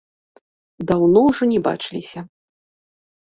Даўно ўжо не бачыліся.